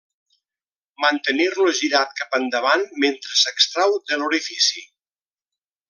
Mantenir-lo girat cap endavant mentre s'extrau de l'orifici.